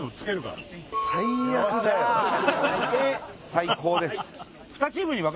最高です。